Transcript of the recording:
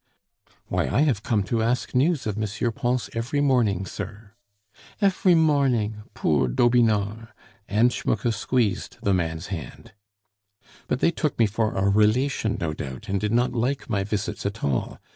"Why, I have come to ask news of M. Pons every morning, sir." "Efery morning! boor Dobinard!" and Schmucke squeezed the man's hand. "But they took me for a relation, no doubt, and did not like my visits at all.